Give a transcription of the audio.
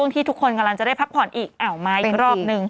ที่ทุกคนกำลังจะได้พักผ่อนอีกอ้าวมาอีกรอบนึง